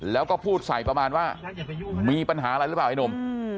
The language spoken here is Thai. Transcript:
แล้วก็พูดใส่ประมาณว่ามีปัญหาอะไรหรือเปล่าไอ้หนุ่ม